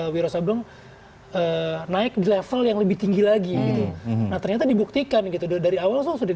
wiro sabdong naik di level yang lebih tinggi lagi gitu nah ternyata dibuktikan gitu dari awal tuh sudah